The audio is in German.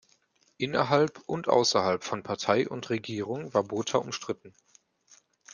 Innerhalb und außerhalb von Partei und Regierung war Botha umstritten.